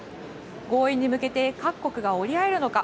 合意に向けて各国が折り合えるのか。